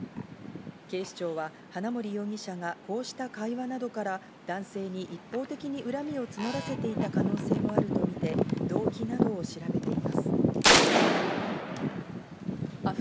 警視庁は花森容疑者がこうした会話などから男性に一方的に恨みを募らせていた可能性もあるとみて動機などを調べています。